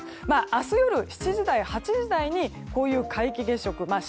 明日夜７時台、８時台にこういう色になります。